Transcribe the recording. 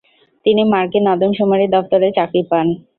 তিনি মার্কিন আদম শুমারি দফতরে চাকরি পান।